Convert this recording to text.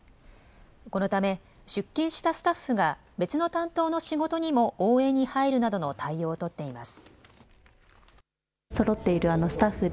このため、出勤したスタッフが別の担当の仕事にも応援に入るなどの対応を取っています。